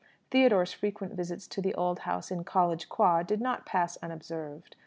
Theodore's frequent visits to the old house in College Quad did not pass unobserved.